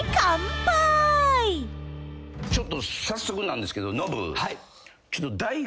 ちょっと早速なんですけどノブ。